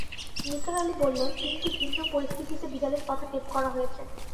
নিসার আলি বললেন, তিনটি ভিন্ন পরিস্থিতিতে বিড়ালের কথা টেপ করা হয়েছে।